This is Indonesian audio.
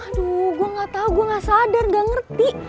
aduh gue gak tau gue gak sadar gak ngerti